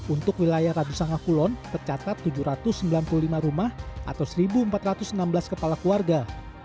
untuk wilayah radusangakulon tercatat tujuh ratus sembilan puluh lima rumah atau satu empat ratus enam belas kepala keluarga